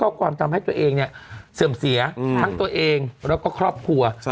ความทำให้ตัวเองเนี่ยเสื่อมเสียทั้งตัวเองแล้วก็ครอบครัว